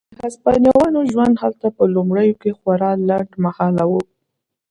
د هسپانویانو ژوند هلته په لومړیو کې خورا لنډ مهاله و.